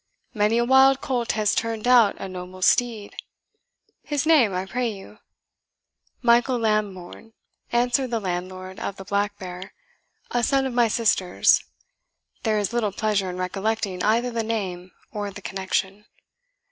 Many a wild colt has turned out a noble steed. His name, I pray you?" "Michael Lambourne," answered the landlord of the Black Bear; "a son of my sister's there is little pleasure in recollecting either the name or the connection."